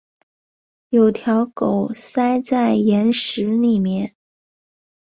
有条狗塞在岩石里面